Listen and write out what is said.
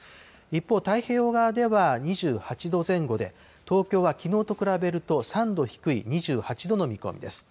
一方、太平洋側では２８度前後で、東京はきのうと比べると３度低い２８度の見込みです。